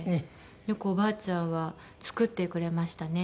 よくおばあちゃんは作ってくれましたね。